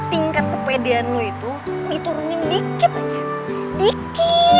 tingkat kepedean lo itu diturunkan dikit aja